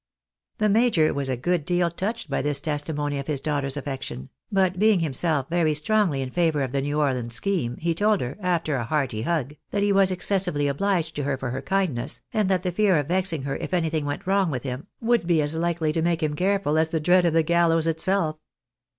The major was a good deal touched by this testimony of hia daughter's affection, but being himself very strongly in favour of the New Orleans scheme, he told her, after a hearty hug, that he was excessively obliged to her for her kindness, and that the fear of vexing her if anything went wrong with him, would be as likely to make him careful as the dread of the gallows itself.